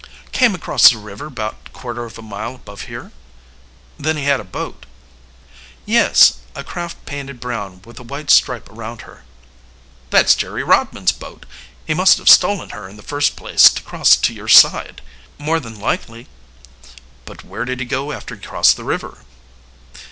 "Came across the river about quarter of a mile above here." "Then he had a boat?" "Yes a craft painted brown, with a white stripe around her." "That's Jerry Rodman's boat. He must have stolen her in the first place to cross to your side." "More than likely." "But where did he go after he crossed the river?"